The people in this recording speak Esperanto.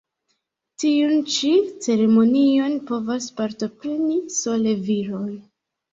Tiun ĉi ceremonion povas partopreni sole viroj.